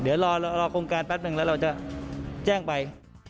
เดี๋ยวรอโครงการแป๊บนึงแล้วเราจะแจ้งไป